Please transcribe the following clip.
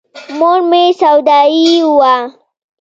مور مې سودايي وه.